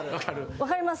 わかります？